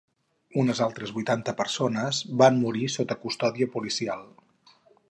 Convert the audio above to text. Unes altres vuitanta persones van morir sota custòdia policial.